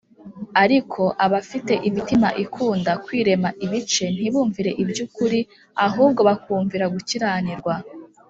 Ariko abafite imitima ikunda kwirema ibice ntibumvire iby’ukuri ahubwo bakumvira gukiranirwa